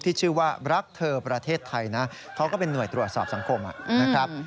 ที่ชื่อว่ารักเธอประเทศไทยนะเขาก็เป็นห่วยตรวจสอบสังคมนะครับ